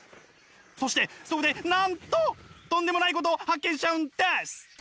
そしてそこでなんととんでもないことを発見しちゃうんです！